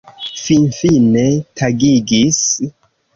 Finfine tagigis!